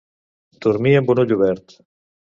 Dormir amb un ull obert.